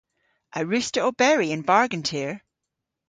A wruss'ta oberi yn bargen tir?